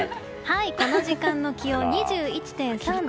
この時間の気温は２１．３度。